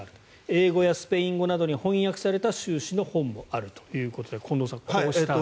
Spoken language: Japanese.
英語やスペイン語などに翻訳された習氏の本もあるということで近藤さん、こうした。